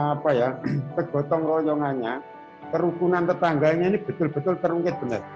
sama sama apa ya tergotong royongannya kerukunan tetangganya ini betul betul terungkit